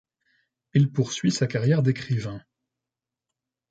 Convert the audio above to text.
Il poursuit sa carrière d'écrivain.